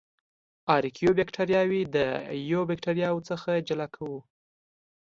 ارکیو باکتریاوې د ایو باکتریاوو څخه جلا کړو.